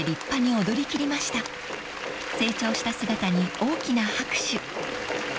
［成長した姿に大きな拍手］